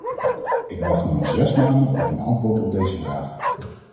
Ik wacht nu al zes maanden op een antwoord op deze vraag.